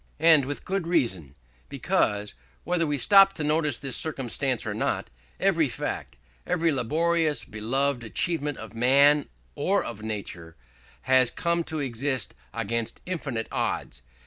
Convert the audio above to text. And with good reason: because, whether we stop to notice this circumstance or not, every fact, every laborious beloved achievement of man or of nature, has come to exist against infinite odds.